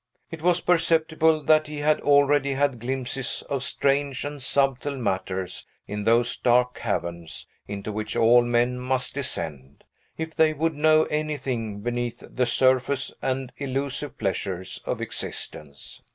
It was perceptible that he had already had glimpses of strange and subtle matters in those dark caverns, into which all men must descend, if they would know anything beneath the surface and illusive pleasures of existence.